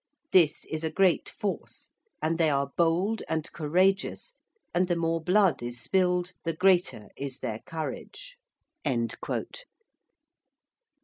This is a great force and they are bold and courageous, and the more blood is spilled, the greater is their courage.'